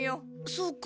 そうか。